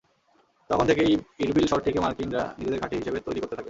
তখন থেকেই ইরবিল শহরটিকে মার্কিনরা নিজেদের ঘাঁটি হিসেবে তৈরি করতে থাকে।